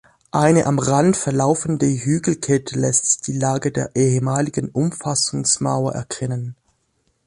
Eine am Rand verlaufende Hügelkette lässt die Lage der ehemaligen Umfassungsmauer erkennen.